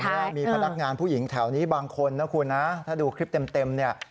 ว่ามีพนักงานผู้หญิงแถวนี้บางคนนะคุณนะถ้าดูคลิปเต็มเนี่ย